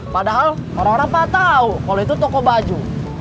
padahal orang orang patah tau kalo itu toko baju